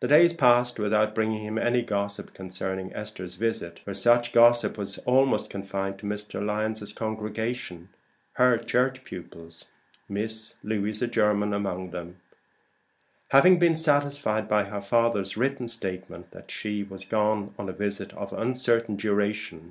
The days passed without bringing him any gossip concerning Esther's visit, for such gossip was almost confined to Mr. Lyon's congregation, her Church pupils, Miss Louisa Jermyn among them, having been satisfied by her father's written statement that she was gone on a visit of uncertain duration.